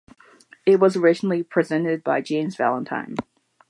It was originally presented by James Valentine.